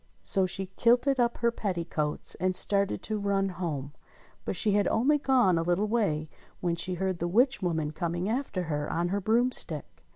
So she kilted up her petticoats and started to run home ; but she had gone only a little way when she heard the witch woman coming after her on her broomstick.